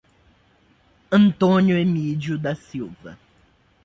Antônio Emidio da Silva